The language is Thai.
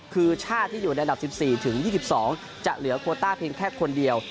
คือชาติที่อยู่ในอันดับ๑๔ถึง๒๒จะเหลือโคต้าเพียงแค่คนเดียว